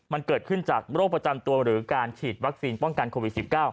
มันเกิดขึ้นจากโรคประจำตัวหรือการฉีดวัคซีนป้องกันโควิด๑๙